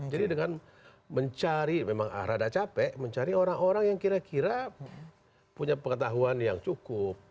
jadi dengan mencari memang agak capek mencari orang orang yang kira kira punya pengetahuan yang cukup